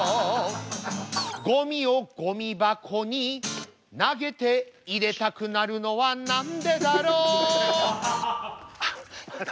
ごみをごみ箱に投げて入れたくなるのはなんでだろうあっ。